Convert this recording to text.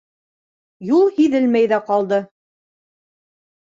Юл һиҙелмәй ҙә ҡалды.